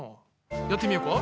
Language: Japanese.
やってみようか。